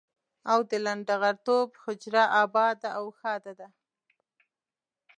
او د لنډه غرتوب حجره اباده او ښاده ده.